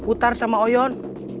utar sama oyon